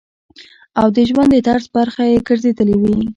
او د ژوند د طرز برخه ئې ګرځېدلي وي -